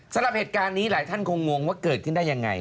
สำหรับเหตุการณ์นี้หลายท่านคงงว่าเกิดขึ้นได้ยังไง